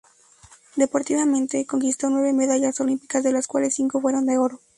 Deportivamente, conquistó nueve medallas olímpicas de las cuales cinco fueron de oro.